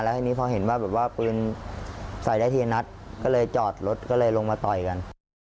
ทีนี้พอเห็นว่าแบบว่าปืนใส่ได้ทีนัดก็เลยจอดรถก็เลยลงมาต่อยกัน